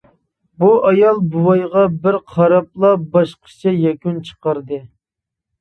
بۇ ئايال بوۋايغا بىر قاراپلا باشقىچە يەكۈن چىقاردى.